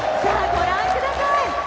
さあご覧ください